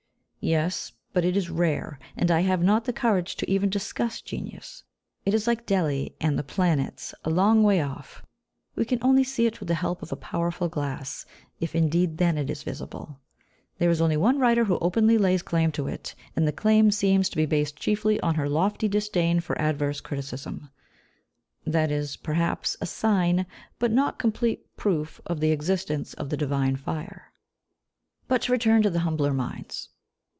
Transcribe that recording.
Yes, but it is rare, and I have not the courage to even discuss genius; it is like Delhi and the planets, a long way off. We can only see it with the help of a powerful glass, if indeed then it is visible. There is only one writer who openly lays claim to it, and the claim seems to be based chiefly on her lofty disdain for adverse criticism. That is, perhaps, a sign, but not a complete proof, of the existence of the divine fire. But to return to the humbler minds.